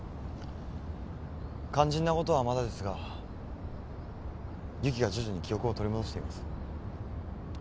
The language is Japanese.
肝心なことはまだですが由岐が徐々に記憶を取り戻しています。